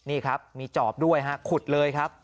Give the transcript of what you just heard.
นี่ครับมีจอบด้วยฮะขุดเลยครับ